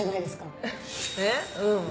えっうん。